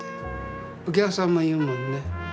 お客さんも言うもんね。